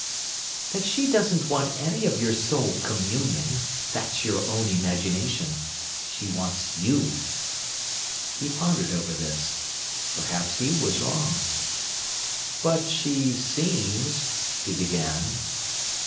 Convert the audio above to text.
"That she doesn't want any of your soul communion. That's your own imagination. She wants you." He pondered over this. Perhaps he was wrong. "But she seems—" he began.